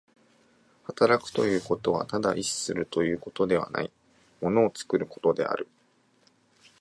働くということはただ意志するということではない、物を作ることである。